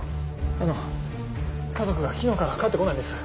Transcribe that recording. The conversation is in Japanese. あの家族が昨日から帰って来ないんです。